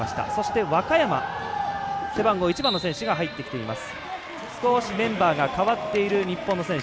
そして、若山、背番号１番の選手が入ってきています。